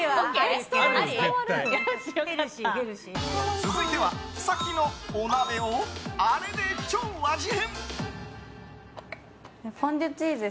続いては、さっきのお鍋をあれで超味変！